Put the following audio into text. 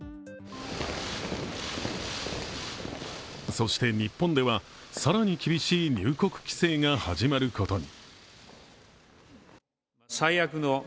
そして日本では、更に厳しい入国規制が始まることに。